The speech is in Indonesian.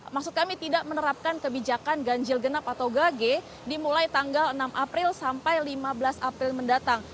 maksud kami tidak menerapkan kebijakan ganjil genap atau gage dimulai tanggal enam april sampai lima belas april mendatang